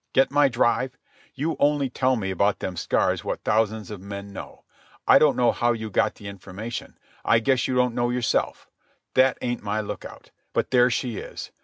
Get my drive? "You only tell me about them scars what thousands of men know. I don't know how you got the information, I guess you don't know yourself. That ain't my lookout. But there she is.